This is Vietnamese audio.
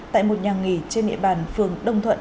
tại một nhà nghỉ trên địa bàn phường đông thuận